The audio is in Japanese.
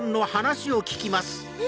え？